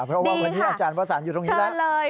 เพราะว่าวันนี้อาจารย์วสันอยู่ตรงนี้แล้ว